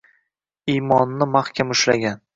Iymonini maxkam ushlagan